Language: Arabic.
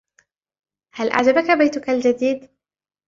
هل أعجبك بيتك الجديد ؟